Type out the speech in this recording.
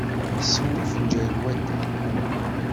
Sew afenǧal n watay.